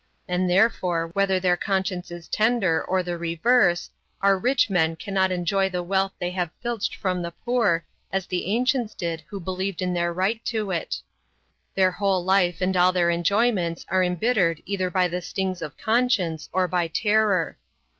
And therefore, whether their conscience is tender or the reverse, our rich men cannot enjoy the wealth they have filched from the poor as the ancients did who believed in their right to it. Their whole life and all their enjoyments are embittered either by the stings of conscience or by terror.